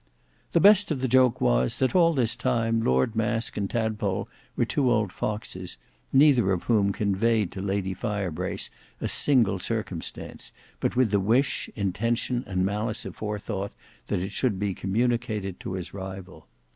The best of the joke was, that all this time Lord Masque and Tadpole were two old foxes, neither of whom conveyed to Lady Firebrace a single circumstance but with the wish, intention, and malice aforethought, that it should be communicated to his rival.